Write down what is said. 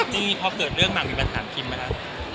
จี้พอเกิดเรื่องมามีปัญหาคิมไหมคะ